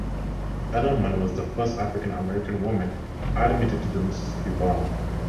Edelman was the first African American woman admitted to The Mississippi Bar.